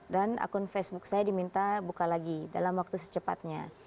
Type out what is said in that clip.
dan akun facebook saya diminta buka lagi dalam waktu secepatnya